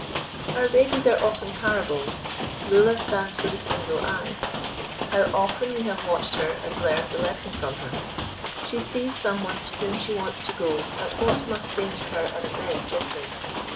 Our babies are often parables. Lulla stands for the Single Eye. How often we have watched her and learned the lesson from her! She sees someone to whom she wants to go at what must seem to her an immense distance.